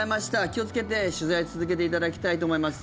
気をつけて、取材を続けていただきたいと思います。